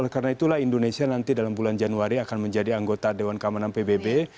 karena itulah indonesia nanti dalam bulan januari akan menjadi anggota dewan keamanan pbb